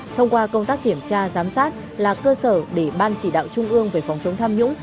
thông qua công tác kiểm tra giám sát là cơ sở để ban chỉ đạo trung ương về phòng chống tham nhũng